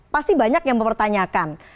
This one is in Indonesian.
pasti banyak yang mempertanyakan